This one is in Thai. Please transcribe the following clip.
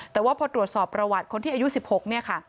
แต่ว่าพอตรวจสอบประวัติคนที่อายุ๑๖เนี่ยค่ะ